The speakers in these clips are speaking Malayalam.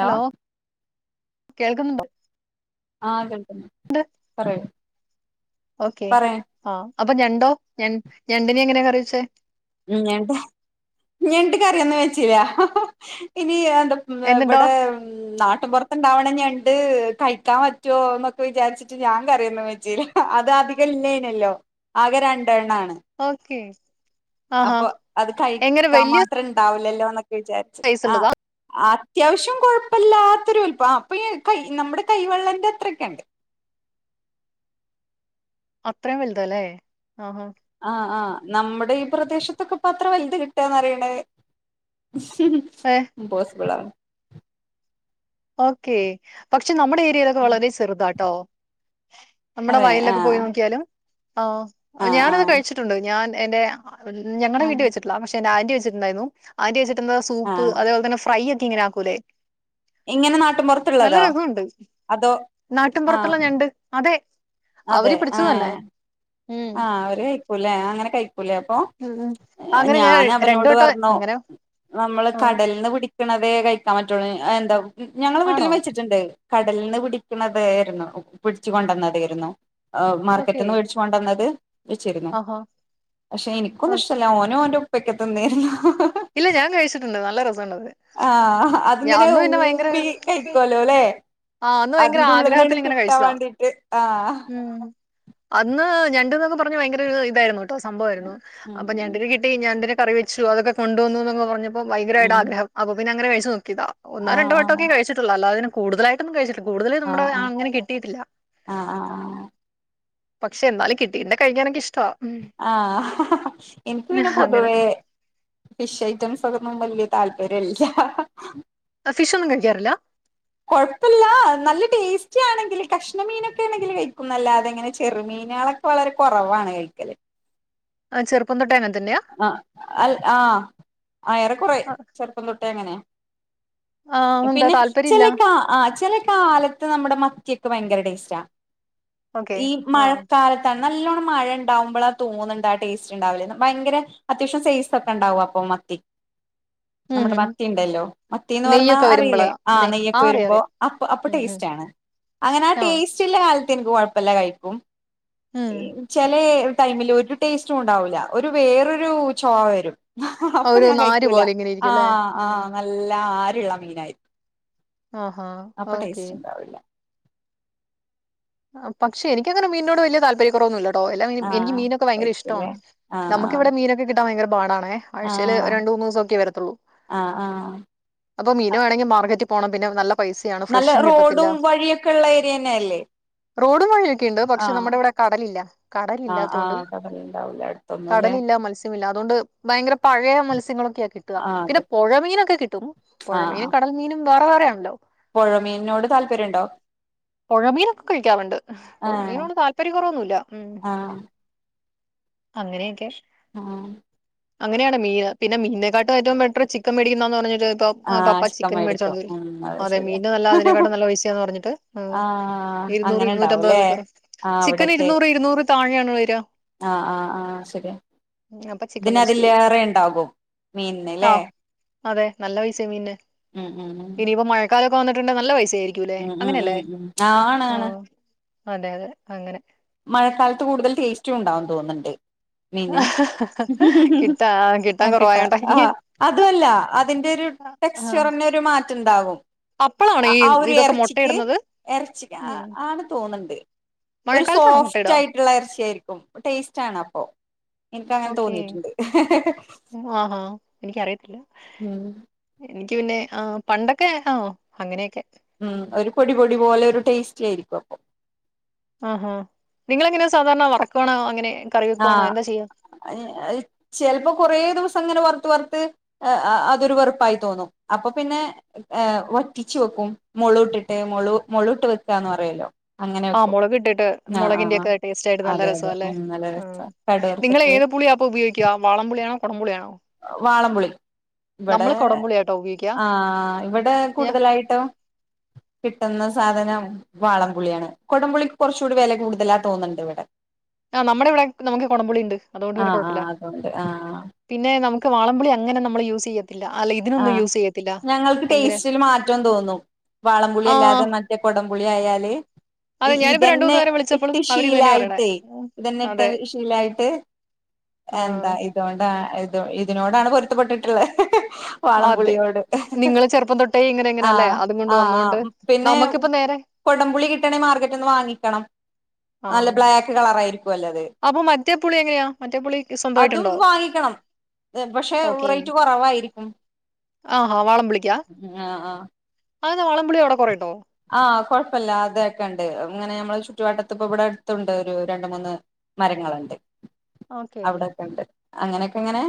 ഹലോ കേൾക്കുന്നുണ്ട്. ആഹ് കേൾക്കുന്നുണ്ട് പറയൂ ഓക്കെ. പറയ് ആഹ് അപ്പ ഞണ്ടോ ഞൻ ഞണ്ടിനെ എങ്ങനെയാ കറി വെച്ചേ? ഞട്ട് ഞണ്ട് കറിയൊന്നും വെച്ചീല്ല. ഇനി എന്ത വെ എന്നിട്ടോ വെടെ നാട്ടിൻ പൊർത്ത്ണ്ടാവ്ണ ഞണ്ട് കഴിക്കാൻ പറ്റോ എന്നൊക്കെ വിചാരിച്ച് റ്റ് ഞാൻ കറിയൊന്നും വെച്ചീല്ല അത് അധികം ഇല്ലേനെല്ലോ. ആകെ രണ്ടെണ്ണാണ്. ഓക്കെ. ആഹാ അപ്പൊ അത് എങ്ങനെ കഴിക്കാൻ വലിയ മാത്രം ഇണ്ടാവൂലല്ലോ ന്നൊക്കെ വിചാര്ച്ച്. സൈസ് ആഹ് ഉള്ളതാ അത്യാവശ്യം കൊഴപ്പല്ലാത്തൊരു വൽപം. അപ്പ ഈ കൈ നമ്മുടെ കൈവെള്ളന്റെ അത്രൊക്കെണ്ട്. അത്രയും വല്താല്ലേ ആഹാ. ആഹ് ആഹ് നമ്മടെ ഈ പ്രദേശത്തൊക്കെ പ്പ അത്ര വലുത് കിട്ടാന്ന് പറിണത്. മം ഹ് പ്പേ ഇംപോസിബ്ളാണ്. ഓക്കേ. പക്ഷെ നമ്മുടെ ഏരിയേലൊക്കെ ഉം വളരെ ചെറുതാട്ടോ. നമ്മുടെ അതെ വയലൊക്കെ പോയി ആഹ് നോക്കിയാലും, ആഹ് ആഹ് ഞാനത് ആഹ് കഴിച്ചിട്ടുണ്ട്. ഞാൻ എന്റെ ഞങ്ങടെ ആഹ് വീട്ടി വെച്ചിട്ടില്ല. പക്ഷെ എന്റെ ആന്റി വെച്ചിട്ട്ണ്ടായിന്നു. ആന്റി വെച്ചിട്ടെന്താ സൂപ്പ് ആഹ് അതേപോലെ തന്നെ ഫ്രൈയൊക്കെ ഇങ്ങനെ ആക്കൂലേ ഇങ്ങനെ നാട്ടും പൊർ നല്ല രസവുണ്ട്. നാട്ടിൻ ആഹ് പൊറത്ത്ള്ള ഞണ്ട്. അതെ. അതെ അവര് പിടിച്ചത് ഏഹ്. തന്നെ ഉം ആഹ് അവര് കഴിക്കുലേ അങ്ങനെ കഴിക്കുലേ അപ്പൊ. ഉം ഉം അങ്ങനെ ഞാൻ രണ്ടു ഞാനവനോട് വട്ടം പറഞ്ഞു. അങ്ങനെ നമ്മള് ആ കടൽന്ന് പിടി ക്കിണതേ കഴിക്കാൻ പറ്റുള്ളൂ. എന്താ? ഞങ്ങളെ ആണോ വീട്ടിലും വെച്ചിട്ടുണ്ട്. കടൽന്ന് പിടിക്കുന്നതായിരുന്നു. പിടിച്ചുകൊണ്ടന്നതേയിരുന്നു. ഓക്കെ മാർക്കറ്റിന്ന് വേടിച്ചു കൊണ്ടന്ന ത് വെച്ചിരിന്നു. ആഹാ പക്ഷേ ആ, ഇനിക്കൊന്നും ഇഷ്ടല്ല. ഓനും ഓന്റെ ഉപ്പക്കെ തിന്നിരുന്നു. ഇല്ല ഞാൻ കഴിച്ചിട്ടുണ്ട്. നല്ല രസണ്ടത്. അന്നും പിന്നെ ഭയങ്കര കഴിക്കല്ലോ ല്ലേ ആഹ്. അന്ന് ഭയങ്കര ആഗ്രഹത്തിലിങ്ങനെ കഴിച്ചതാ. വേണ്ടീട്ട് ആഹ് അന്ന് ഞണ്ട്ന്നൊക്കെ പറഞ്ഞ ഭയങ്കര ഇതായിരുന്നു കേട്ടോ സംഭവമായിരുന്നു. അപ്പോ ഞണ്ടിനേ ഉം കി ഞണ്ടിനെ കറി വെച്ചു. അതൊക്കെ കൊണ്ടുവന്നുന്നൊക്കെ പറഞ്ഞപ്പോൾ ഭയങ്കരമായിട്ട് ഉം ആഗ്രഹം. അപ്പോ പിന്നേ അങ്ങനെ കഴിച്ചു നോക്കിയതാ. ഒന്നോ ആഹ് രണ്ടോവട്ടൊക്ക കഴിച്ചിട്ടുള്ളു. അല്ലാതെനേ കൂടുതലായിട്ടൊന്നും കഴിച്ചിട്ട് കൂടുതല് നമ്മടെ ആഹ് ആഹ് അങ്ങനെ കിട്ടിയിട്ടില്ല. ആഹ് ആഹ് പക്ഷേ എന്നാലും കിട്ടിണ്ടേ കഴിക്കാനേനിക്ക് ഇഷ്ടവാ ആഹ് എനിക്ക് പിന്നേ അങ്ങനെ പൊതുവേ ഫിഷ് ഐറ്റംസ് ഒക്കൊന്നും വല്യേ താല്പര്യംല്ല്യാ. ഫിഷ് ഒന്നും കഴിക്കാറില്ല കൊഴപ്പല്ല്യാ. നല്ല ടേസ്റ്റി ആണെങ്കില്, കഷ്ണമീനൊക്കെ ആണെങ്കിൽ കഴിക്കുംന്നല്ലാതെ ങ്ങനെ ചെറുമീനുകളൊ ക്കെ വളരെ കൊറവാണ് കഴിക്കല് ആഹ് ചെറുപ്പം തൊട്ടേ അങ്ങന തന്ന്യാ? ആഹ് അൽ ആഹ് ആഹ് ഏറക്കുറെ ചെ തൊട്ടേ അങ്ങനെ. ആഹ് എന്താ പിന്നെ താല്പര്യം ഇല്ല ചെലേ കാ ആഹ് ചെലേ കാലത് നമ്മടെ മത്തിക്കെ ഭയങ്കര ടേസ്റ്റാ. ഓക്കെ ഈ ആഹ് മഴക്കാല നല്ലോണ്ണം മഴ ഇണ്ടാവുംമ്പളാ തോന്നുണ്ട് ആ ടേസ്റ്റ് ഉണ്ടാവല്. ഭയങ്കര അത്യാവശ്യം സൈസ് ഒക്കെണ്ടാവും അപ്പോ മത്തി. ഉം നമ്മുടെ ഉം മത്തിണ്ടല്ലോ. മത്തിന്ന് പറഞ്ഞാ നെയ്യൊക്കെ വരുമ്പളാ അറിയില്ലേ? ആഹ് നെ നെയ്യൊക്കെ അറിയാം വരുമ്പോ. അറിയാം അപ്പ അപ്പോ ഉം ഉം ടേസ്റ്റ് ആണ്. അങ്ങനെ ആ ആഹ് ടേസ് റ്റ്ള്ള കാലത്ത് എനിക്ക് കൊഴപ്പല്ല. കഴിക്കും. ഉം ചെലേ ടൈമില് ഒരു ടേസ്റ്റും ഉണ്ടാവൂല്ല. ഒരു വേറൊരു ചൊവ വരും ആ, അപ്പോ ഒരു ഞാൻ നാര് കഴിക്കൂല. പോലെ ഇങ്ങനെ ഇരിക്കും അല്ലേ ആഹ് ഉം ആഹ് നല്ല ആരുള്ള മീനായി. ആഹാ. ഓക്കേ ഉണ്ടാവില്ല പക്ഷേ എനിക്ക് അങ്ങനെ മീനിനോട് വല്യ താല്പര്യ കൊറവൊന്നുമില്ലാ ഓഹ് എല്ലാ മീനും ആ എനിക്ക് മീനൊക്കെ ഭയങ്കര ഇഷ്ടവാണ്. കഴിക്കൂല്ലേ ആ നമുക്ക് ഇവടെ മീനൊക്കെ കിട്ടാൻ ഭയങ്കര പാടാണേ. ആ ആ ആഴ്ച്ചേല് രണ്ട് മൂന്ന് ദിവസൊക്കെ വരത്തുള്ളൂ. ആ ആ ആ അപ്പോ മീനുവേണങ്കി മാർക്കറ്റിൽ പോണം. പിന്നെ നല്ല പൈസയാണ്. ഫ്രഷും കിട്ടത്തില്ല. ക്ക്‌ ള്ള എരിയന്നേല്ലേ? റോഡും വഴിയൊക്കെയുണ്ട്. പക്ഷേ നമ്മടെ ഇവടെ കടലില്ല. കടലില്ലത്തോണ്ട് ഇല്ലാ അടുത്തൊന്നും ല്ലേ? ഇല്ല അതോണ്ട് ഭയങ്കര പഴയ മത്സ്യങ്ങളൊക്കെയാ കിട്ടാ. ആഹ് പിന്നെ അത് പൊഴമീനൊക്കെ കിട്ടും. പൊഴമീന് ക ടൽ മീനും വേറവേറെയാണലോ പൊഴമീനിനോട് താല്പര്യണ്ടോ? ഒണ്ട്. ആഹ് പൊഴമീനിനോട് താല്പര്യക്കൊറവൊന്നുമില്ല. ആഹ് അങ്ങനെയൊക്കെ ആഹ് അങ്ങനെയാണ് മീന്. പിന്നെ മീനെക്കാട്ടും ഏറ്റവും ബെറ്റർ ചിക്കൻ മേടിക്കുന്നതാന്ന് പറഞ്ഞട്ട് ഇപ്പം ആഹ് പപ്പ ചിക്കൻ മേടിക്കും മേടിച്ചോടങ്ങി. ഉം അത് അതെ. ശരിയാ മീൻന് നല്ല അതിനേക്കാട്ടിം നല്ല പൈസാന്ന് പറഞ്ഞിട്ട്. ഉം. ആഹ് ഈ ഇരുന്നൂറ് അങ്ങനെ ഉണ്ടാവൂല്ലേ ഇരുന്നൂറ്റമ്പതൊക്കെ. ആഹ് ചിക്കന് അവിടൊക്കെ ഇരുന്നൂറ് ഇരുന്നൂറിന് താഴെയാണ് വരാ. ആഹ് ആഹ് ആഹ് അത് ശര്യാ. അപ്പൊ ചിക്കൻ മേടിച്ചിട്ട് വരും ഇതിനതിലേറെ ഇണ്ടാകും മീൻന്ല്ലേ? ആഹ് അതെ നല്ല പൈസ മീന് ഉം ഉം ഉം ഇനിയിപ്പോ മഴക്കാലൊക്കെ വന്നിട്ടുണ്ടണ്ട് നല്ല പൈസായിരിക്കും ഉം ഉം ഉം ഉം ആണ് ഓ ആണ് അതെ അതെ അങ്ങനെ മഴക്കാലത്ത് കൂടുതൽ ടേസ്റ്റുണ്ടാകന്ന് തോന്നുന്നുണ്ട് മീന് കിട്ടാ കിട്ടാൻ മ്മ്മ് കിട്ട കുറവായോണ്ടാ ആ അതുമല്ല അതിന്റെ ഒരു ആഹ് ടെക്സ്ചറിന ഒരു മാറ്റണ്ടാവും അപ്പളാണോ ആ ഈ ഹഒരു ഇതൊക്കെ എറച്ചിക്ക് മുട്ടയിടുന്നത് എറച്ചി ആ ഉം ആണ് തോന്നണ്ട് മഴക്കാലത്താണോ സോഫ്റ്റ് മുട്ടയിടാ ആയിട്ടുള്ള എറച്ചിയിരിക്കും ടേസ്റ്റ് ആണ് അപ്പോ എനിക്ക അങ്ങനെ ഓക്കേ തോന്നിട്ണ്ട ഹ്ഹ്ഹ് ആഹാ എനിക്കറിയത്തില്ല ഉം എനിക്ക് പിന്നെ ആ് പണ്ടൊക്കെ ആ അങ്ങനെയൊക്കെ ഉം ഒരു പൊടി പൊടി പോലെ ഒരു ടേസ്റ്റയിരിക്കും അപ്പൊ ആഹഹാ നിങ്ങൾ എങ്ങനെയാ സാധാരണ വറക്കുവാണോ അങ്ങനെ കറി വെക്കുവാണോ എന്താ ചെയ്യാ അഹ് അഹ് ചെലപ്പോ കൊറ ദിവസം അങ്ങനെ വറുത്ത് വറുത്ത് അഹ് അതൊരു വെറുപ്പായി തോന്നും അപ്പൊ പിന്നെ ഏ് വറ്റുച്ചു വെക്കും മുളട്ടുട്ട് മുള മുള്ള് ഇട്ട് വെക്കാന്ന് പറല്ലോ ആഹ് മുളക് ഇട്ടിട്ട് മുളകിന്റെറെ ഒക്കെ ടേസ്റ്റ് ആയിട്ട് നല്ല അതെ അതെ രസല്ലേ ഉം നല്ല ആ രസാ കടു നിങ്ങൾ വറുത്തിട്ട് ഏത് പുളി അപ്പ ഉപയോഗിക്ക വാളം പുള്ളിയാണോ കൊടംപുള്ളിയണോ വാളംപുളി ഇവിടെ കുടംപുളിയാട്ടോ ഉപയോഗിക്കുക ആ ഇവിടെ കൂടുതലായിട്ടും കിട്ടുന്ന സാധനം വാളംപുളിയാണ് കൊടംപുളിക്ക് കുറച്ചുകൂടി വില കൂടുതലാ തോന്നുന്നുണ്ട ഇവിടെ ആ് നമ്മടെ ഇവിടെ നമുക്ക് കൊട പുള്ളിണ്ട് അതുകൊണ്ട് പിന്നെ ആഹ് കൊഴപ്പില്ല ആഹ് അതുകൊണ്ട് ആഹ് പിന്നെ നമ്മക്ക് വളമ്പളിങ്ങെ നമ്മള് യൂസ് ചെയ്യ ഇല്ല അല്ലെത് ആ ഞങ്ങൾക്ക് ടേസ്റ്റിൽ മാറ്റം തോന്നും വാളംപുളി ആഹ് അല്ലാതെ മറ്റേ കൊടംപുളി ആായാലേ ഈൗ അതെ ഞാനിപ്പോ രണ്ട് ഇതന്നെ മൂന്ന് പേരെ വിളിച്ചപ്പോഴും ഇട്ട് അവരിത് തന്നെ പറയണേ ശീലായിട്ടേ ഉം, ഇതന്നെ ഇട്ട് ശീലായിട്ട് ആഹ ഇതോകൊണ്ട ഇ ഇതിനോടാണ് പൊരുത്തപ്പെട്ടിട്ടുള്ളത് അതെ വാളപുളിയോട് നിങ്ങള് ചെറുപ്പം തൊട്ടേ ഇങ്ങനെ ഇങ്ങനെ ആഹ അല്ലേ അതും കൊണ്ട് ആഹ വന്നോണ്ട് ആഹ് പിന്നെ നമുക്കിപ്പ നേരെ കൊടംപുള്ളി കിട്ടണേ മാർക്കറ്റിന്ന് വാങ്ങിക്കണം ആഹ കളറായിരിക്കല്ലേത് അപ്പൊ മറ്റേപുളി എങ്ങനെയാ മറ്റേ പു ളി സ്വന്തമായിട്ട് അതും വാങ്ങിക്കണം പക്ഷെ റേറ്റ് കുറവായിരിക്കും ആഹ് വാളം പുളിക്കാ ആഹ് ആഹ് ആഹ് വാളം മ്പളി അവിടെ കുറേട്ടോ ആഹ് കൊഴപ്പല്ല അതൊക്കെയ ഉണ്ട് ഇങ്ങനെ നഞമ്മള് ചുറ്റുവാട്ടത്തിപ്പ ഇവിടെ അടുത്തുണ്ട് ഒരു രണ്ട മൂന്ന് മരങ്ങളുണ്ട് ഓക്കേ അവിടൊക്കെ ഉണ്ട് അങ്ങനെയൊക്കെ ഇങ്ങനെ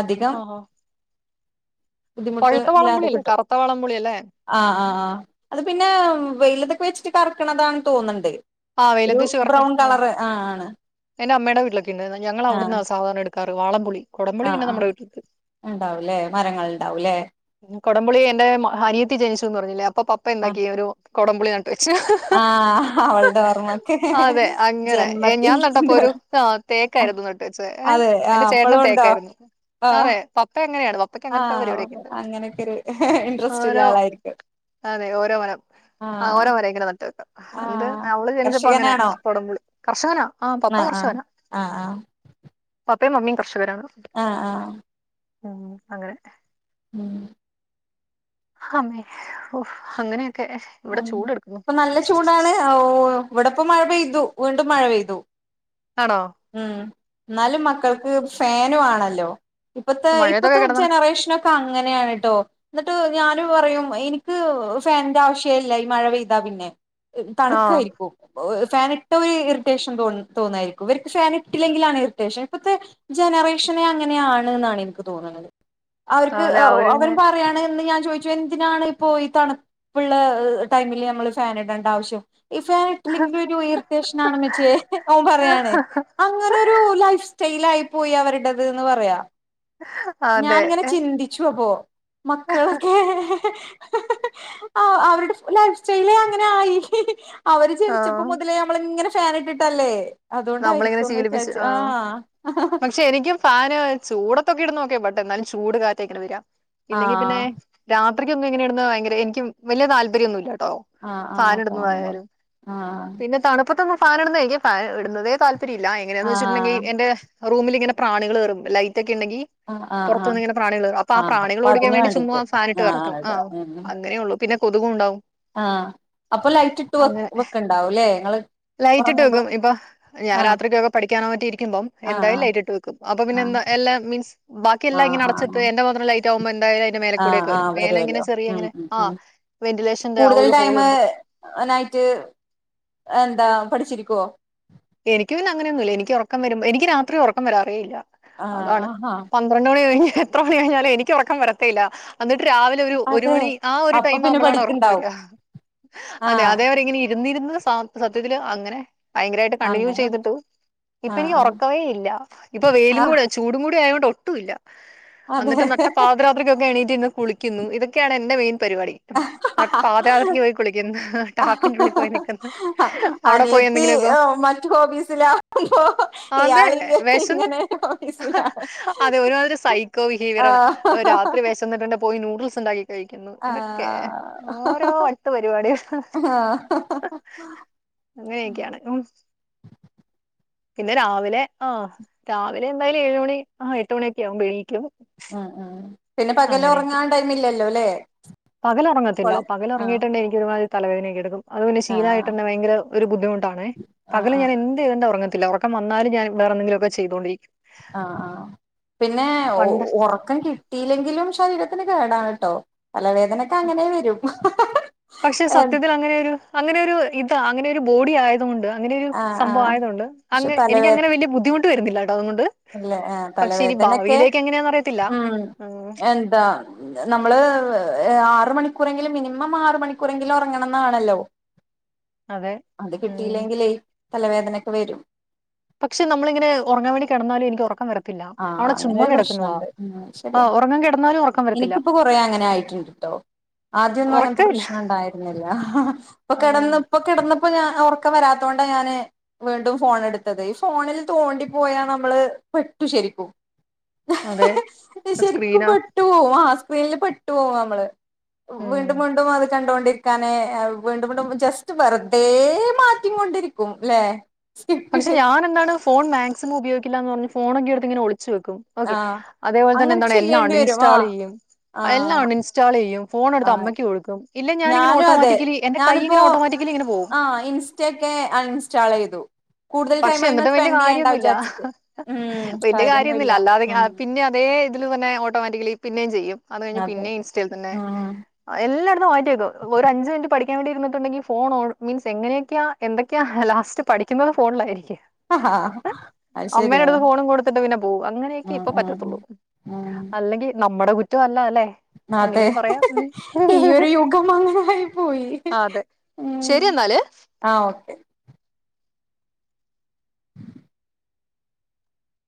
അധികം ആഹാ ബുദ്ധിമുട്ട് പഴുത്ത ഇല്ലാതെ വളംപൊളിയല്ലേ കിട്ടും കറുത്ത വളംപൊളിയല്ലേ ആഹ് ഉം ആഹ് ആഹ് അത് പിന്നെ വെലതൊക്കെ വെച്ചിട്ട് കറക്കണതാണ് തോന്നണ്ട് ആഹ് വെലത്തച്ചറക്കം ആഹ് ആണ് എന്റെ അമ്മയുടെ വീട്ടിലൊക്കെ ഉണ്ട് ഞങ്ങൾ ആഹ് അവിടുന്നാ സാധരണ എടു കറ വാളംപുളി കൊടംപുളി ആഹ് പിന്നെ ആഹ് നമ്മുടെ വീട്ടിലേക്ക് ഉണ്ടാവുല്ലേ മരങ്ങൾ ഉണ്ടാവുല്ലേ കൊടംപുളി എന്റെ ഹനിയത്തി ജനിച്ചുന്ന് പറഞ്ഞില്ലേ അപ്പൊ പപ്പ ആ ഒണ്ടാക്കിയ ഒരു കൊടംമ്പുളി നട്ട് വെച് ആഹ് അവളുടെ നമുക്ക് അതെ അങ്ങനെ ഏ, ഞാൻ ജന്മത്തിത്ത നട്ടപ്പോ ഒരു ആ ആഹ് തേക്കായിരുന്നു നട്ടു വെച്ചത് ഏ അതെ എന്റെ ആഹ് അപ്പളും ചേട്ടനും ഉണ്ടോ തേക്കായിരുന്നു ആഹ് അതെ പപ്പ അങ്ങനെയാണ് പപ്പക്ക് അങ്ങനത്തെ പരിപാടിയൊക്കെ ആഹ് ഉണ്ട് അങ്ങനെയൊക്കെ ഒരു ഇൻട്രസ്റ്റ് ഉള്ള ഓരോ ആളായിരിക്കും അതെ ഓരോ മരം ആഹ് ഓരോ മരം ഇങ്ങനെ നട്ട വെക്കാം എന്ത് ആഹ് അവള് ജനിച്ചപ്പ അങ്ങനെ കർഷകനാണോ പടമ്പളി കർഷകനാ ആഹ് പപ്പ ആഹ് കർഷകനാ ആഹ് പപ്പയും മമ്മിയും കർഷകരാണ് ആഹ് ആഹ് ഉം അങ്ങനെ ഉം അമ്മേ ഓഹ് അങ്ങനെക്ക ഉം ഇപ്പൊ നല്ല ചൂടാണ് ഇവിടെപ്പോ മഴ പെയ്തു വീണ്ടും മഴ പെയ്തു ആണോ ഉം എന്നാലും മക്കൾക്ക് ഫാന് വേണല്ലോ ഇപ്പത്തെ മഴയത്തൊക്കെ ഇപ്പത്തെ കിടന്ന ജനറേഷനൊക്കെ അങ്ങനെയാണ് ട്ടോ എന്നിട്ട് ഞാന് പറയും എനിക്ക് ഫാനിന്റെ ആവശ്യ ഇല്ല ഈ മഴ പെയ്താ പിന്നെ ആഹ് തണുക്കായിരിക്കും ഫാന ഇട്ട ഒരു ഇറിറ്റേഷൻ തോ തോന്നായിരിക്കും ഫാൻ ഇട്ടില്ലെങ്കിലാണ് ഇറിറ്റേഷൻ ഇപ്പഴത്തെ ജനറേഷനെ അങ്ങനെയാണ്ന്നാണ് എനിക്ക് തോന്നന്നത് അവർക്ക് അതെ അവര് പിന്നെ അവരും പറയാണ് എന്ന് ഞാൻ ചോദിച്ച എന്തിനാണ് ഇപ്പോ ഈ തണുപ്പുള്ള ടൈമില് നമ്മള് ഫൻ ഇടേണ്ട ആവശ്യം ഇ ഫാൻ ഇട്ടെങ്കിലും ഒരു ഇറിറ്റേഷൻ ആണ വെച്ചേ ഓൻ പറയാണ് അങ്ങനെരു ലൈഫ് സ്റ്റൈൽ ആയി പോയി അവരുടേത് എന്ന് പറയാ ആഹ് ഞാനിങ്ങനെ ചിന്തിച്ചുവ അപ്പോ മക്കളൊക്കെ ആഹ് അവരുടെ ലൈഫ് സ്റ്റൈല അങ്ങനായി അവര് ജനിച്ചപ്പോ ആഹ് മുതലേ നമ്മളിങ്ങനെ ഫാൻ ഇട്ടിട്ടല്ലേ നമ്മളിങ്ങനെ അതുകൊണ്ടായിരിക്കുംന്ന് ശീലിപ്പിച്ച് വിചാരിച്ച ആഹ് പക്ഷെ എനിക്കും ഫാന് ചൂടൊത്തൊക്കെ ഇട് നോക്കിയ ബട്ടെ എന്നാലും ചൂട് കാറ്റേക്കെ വരാ ആ ഇല്ലെങ്കി പിന്നെ രാത്രിക്കൊന്നും ഇങ്ങനെ ഇടുന്ന ഭയങ്കര എനിക്ക് വലിയ താല്പര്യൊന്നുല്ല കേട്ടോ ആ ആ ഫാന് അപ്പൊ അങ്ങനെ ഇടുന്നതായാലും ആ പിന്നെ തണുപ്പ ഇപ്പൊ ഫാന് ഇടുന്നങ്കി ഫാണിടുന്നതേ താല്പര്യല്ല എങ്ങനെയാന്ന് വെച്ചിട്ടണ്ടെങ്കി ആഹ് എന്റെ റൂമിൽങ്ങനെ പ്രാണികൾയറും ലൈറ്റ് ഒക്കെ ഇണ്ടെങ്കി ആഹ് ആഹ് ആഹ് പുറത്തുന്നിങ്ങന പ്രാണികൾ അപ്പൊ ആഹ് പ്രാണികൾ അപ്പൊ ഓടിക്കാൻ അതിന് വേണ്ടി വേണ്ടിട്ട് ചുമ്മ ഫാനിട്ട് കറക്കും അതെ ആഹ് ഉം അങ്ങനെ ഉള്ളു പിന്നെ കൊതുകും ഉണ്ടാവും ആഹ് അപ്പൊ ലൈറ്റ് ഇട്ട് വ അങ്ങനെ വെക്കണ്ടാവും അല്ലേ ങ്ങള് ലൈറ്റ് ഇട്ട് വെക്കും ഇപ്പൊ ഞാൻ രാത്രിക്കൊക്കെ പഠിക്കാനോ മറ്റോയിരിക്കുമ്പം ആഹ് എന്തായാലും ലൈറ്റ് ഇട്ട് വെക്കും അപ്പൊ പിന്നെ ആഹ് എന്ത എല്ലാ മീൻസ് ബാക്കി എല്ലാം ആഹ് ഇങ്ങന അടച്ചട്ട് ആഹ് എന്റെ മാത്രം ലൈറ്റ് ആവുമ്പോ എന്തായാല മേലക്കൂടെ ആഹ് ഒക്കെവരും ആഹ് മേലെങ്ങനെ വരുവല്ലോ ചെറിയ ഉം ങ്ങനെ ഉം ആ ഉം വെന്റിലേഷൻന്റെ ആ കൂടുതൽ ഒരു ഹോൾ ടൈമ് ഉണ്ട് നൈറ്റ് എന്താ പഠിച്ചിരിക്കുവോ എനിക്ക് പിന്നെ അങ്ങനെയൊന്നുല്ല എനിക്ക് ഉറക്കം വരുമ്പ എനിക്ക് രാത്രി ഉറക്കം വരാറെ ഇല്ല ആഹ് അതാണ് ആഹാ പത്രണ്ട് മണി കഴിഞ്ഞ് എത്ര മണി കഴിഞ്ഞാലും എനിക്ക് ഉറക്കം വരത്തേയില്ല അന്നിട്ട് രാവിലെ ഒരു ഒരു അതെ മണി ആ ഒരു അപ്പൊ ടൈം പിന്നെ ആവുമ്പോളാണ് ഉറക്കം പഠിക്കണ്ടാവും വരിക അതെ ആഹ് അതെവരെ ഇങ്ങനെ ഇരുന്നിരുന്ന് സത്യത്തില് അങ്ങനെ ഭയങ്കരായിട്ട് കണ്ടിന്യൂ അങ്ങനെ പഠിച്ചു ചെയ്തിട്ട് ആഹ് ഇപ്പനിക്ക് ഉറക്കവേ ഇല്ല ഇപ്പൊ വെയിലും ആഹ് ചൂടും കൂടി ആയോണ്ട് ഒട്ടുയില്ല ആഹ് അന്നിട്ട് നട്ട പാതി ത്രക്കൊക്കെ എണീറ്റ്ന്ന് കുളിക്കുന്നു ഇതൊക്കെയാണ് എന്റെ മെയിൻ പരിപാടി നട്ട് അതെ പാതിരാത്രിക്ക് പോയി കുളിക്കുന്നു ടാപ്പിന്റെ ഉള്ളിൽ പോയി നിക്കുന്ന് അനിയത്തി മറ്റു ഹോബീസിലകുമ്പോ ആതെ വെശന്ന് ഹോബീസിലാണ് അതെ ഒരുമാതിരി സൈക്കോ ബിഹേവിയർ ആണ് ആഹ് രാത്രി വെശന്നിട്ടുണ്ടേൽ പോയി നൂഡിൽൽസ് ഉണ്ടാക്കി കഴിക്കുന്നു ആഹ് ഇതൊക്കെ ഓരോ വട്ടു പരിപാടികൾ ആഹ് ഉം അങ്ങനെയൊക്കെയാണ് പിന്നെ രാവിലെ ആ് രാവിലെ എന്തായാലും ഏഴ് മണി ആ എട്ട് മണിയൊക്കെ ആകുമ്പോ എണീക്കും ആ ആ പിന്നെ പകലൊറങ്ങാൻ ടൈമില്ലല്ലോലേ പകലൊറങ്ങത്തില്ല പകലൊറങ്ങിയിട്ടുണ്ടേ എനിക്ക് ഒരുമാതിരി തലവേദന യൊക്കെ എടുക്കും അത് പിന്നെ ആഹ് ശീലമായിട്ട്ന്നെ ഭയങ്കര ഒരു ബുദ്ധി മുട്ടാണേ ആഹ് പകല് ഞാൻ ആഹ് ചെയതറങ്ങത്തില്ല ഉറക്കം വന്നാലും ഞാ വേറെന്തെങ്കിലുംക്കെ ചെയ്ത്കൊണ്ടരിക്കും ആഹ ആ പിന്നെ ഉ പണ്ട് ഊ റക്കം കിട്ടിയില്ലെങ്കിലും ശരീരത്തിന് കേടാണ് ട്ടോ തലവേദന അങ്ങനെ വരും അങ്ങനേ വരൂ അങ്ങനെയൊരു ഇതാ അങ്ങനെയൊരു ബോഡി ആയതുകൊണ്ട് അങ്ങനെ ഒരു സംഭവം ആഹ് ആയത് കൊണ്ട് പക്ഷെ അങ്ങ എനിക്ക് അങ്ങനെ വല്യ ബുദ്ധിമുട്ട് വരുന്നില്ലട്ടോ തൊണ്ട് അല്ല ആ തലവേദനക്കെ എങ്ങനെയാന്ന് അറിയത്തില്ല ഉ ഉം എന്താ നമ്മള് ആറ് മണിക്കൂറെങ്കിലും മിനിമം ആറ് മണിക്കൂറെങ്കിലും ഉറങ്ങണംന്നാണല്ലോ അതെ അത് ഉം കിട്ടിയില്ലെങ്കിലേ തലവേദനൊക്കെ വരും പക്ഷ നമ്മളിങ്ങന ഉറങ്ങാവേണ്ടി കിടന്നാലും എനിക്ക് ഉറക്കം വരത്തില്ല ആഹ അവിടെ അങ്ങനെ ചുമ്മാ ഒരു കിടക്കുന്നതാ. പ്രശ്നണ്ട് ഉ ആ ശരിയാ ഉറങ്ങാൻ കിടന്നാലും ഉറക്കം വരത്തില്ല. എനിക്കിപ്പോ കൊറേ അങ്ങനെ ആയിട്ടുണ്ട്ട്ടോ ആദ്യംന്നും അങ്ങനത്തെ ഉറക്കമില്ല. പ്രശ്നം ഉണ്ടായിരുന്നില്ല പ്പൊ ഉം കിടന്ന് പ്പൊ കിടന്നപ്പോ ഞാൻ ഉറക്കം വരാത്തോണ്ട ഞാന് വീണ്ടും ഫോണടുത്തത് ഈ ഫോണിൽ തോണ്ടിപ്പോയാ നമ്മള് ശരിക്കും അതെ സ്ക്രീനാ. ശരിക്കുമ്പോ പെട്ടു പോവും ആ സ്ക്രീനിൽ പെട്ടു പോവും നമ്മള് ഉം. വീണ്ടും വീണ്ടും അത് കണ്ടോണ്ടിരിക്കും കനെ വീണ്ടും വീണ്ടും ജസ്റ്റ് വെർതേ മാറ്റിങ്ങോണ്ടിരിക്കും ല്ലെ പക്ഷെ ഞാന് എന്താണ് ഫോൺ മാക്സിമം ഉപയോഗിക്കില്ല എന്ന് പറഞ്ഞ് ഫോണോക്കെങ്ങനെ ഒളിച്ചു വെക്കും ഓക്കെ ആഹ് അതേപോലെ തന്നെ അങ്ങനെ എന്താണ് എല്ലാം അൺ ചെയ്യേണ്ടി വരും ഇൻസ്റ്റാൾ ആഹ് ചെയ്യും എല്ലാം ആഹ് അൺ ഇൻസ്റ്റാൾ ചെയ്യും ഫോൺ എടുത്ത് ആഹ് അമ്മക്ക് കൊടുക്കും ഇല്ലേ ഞാനിങ്ങനെ ഞാനും ഓട്ടോമാറ്റിക്കലി എന്റെ കൈയിങ്ങനെ ഓട്ടോമാറ്റിക്കലി ഇങ്ങനെ പോും ആ ഇൻസ് റ്റ ഒക്കെ അൺ ഇൻസ്റ്റാൾ ചെയ്തു കൂടുതൽ ടൈം പക്ഷെ അയ്മെ എന്നിട്ടും വല്യ സ്പെൻഡ് ചെയ്യണ്ട കാര്യമൊന്നുമല്ല വിചാരിച്ചിട്ട് ഉം വല്യ കാര്യൊന്നുല്ല കാര്യമൊന്നുംല്ല അല്ലാതെ ഇങ്ങനെ ഉം പിന്നെ അതേ ഇതില് തന്നെ ഓട്ടോമാറ്റിക്കലി പിന്നെയും ചെയ്യും അത് കഴിഞ്ഞ അതെ പിന്നെയും ഇൻസ്റ്റയിൽ തന്നെ ഉം എല്ലായിടത്തും മാറ്റിവക്കും ഒരു അഞ്ച് മിനിറ്റ് പഠിക്കാൻ വേണ്ടി ഇരുന്നിട്ടുണ്ടെിൽ ഫോൺ ഓൺ മീൻസ് എങ്ങനെയൊക്കെയാ എന്തൊക്കെയാ ലാസ്റ്റ് പഠിക്കുന്നത് ഫോണിലായിരിക്കും അത് അമ്മയുടെ ശരിയാണ് അടുത്ത് ഫോണും കൊടുത്തിട്ട് പിന്നെ പോവും അങ്ങനെയൊക്കെയേ ഉം ഇപ്പ ഉം പറ്റത്തുള്ളൂ ഉം അല്ലെങ്കിനമ്മടെ കുറ്റം അല്ലല്ലെ അതെ അങ്ങനേം പറയാ ഈ ഒരു യുഗം അങ്ങനെ ആയി പോയി ആ അതെ ഉം ശരിന്നാല് ആ ഓക്കെ.